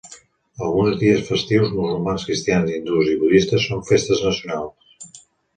Alguns dies festius musulmans, cristians, hindús i budistes són festes nacionals.